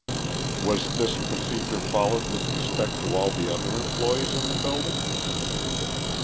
"Was this procedure followed with respect to all the other employees in the building?"